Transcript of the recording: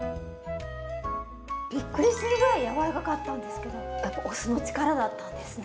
びっくりするぐらい柔らかかったんですけどやっぱお酢の力だったんですね。